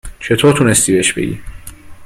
چطور تونستی بهش بگی ؟